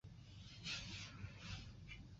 鹬虻科是分类在短角亚目下的虻下目中。